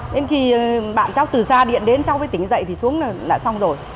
đến khi bạn cháu từ xa điện đến cháu với tính dậy thì xuống là xong rồi